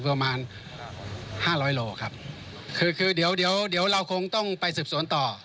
ประมาณห้าร้อยโลครับคือคือเดี๋ยวเดี๋ยวเดี๋ยวเราคงต้องไปสืบสวนต่อ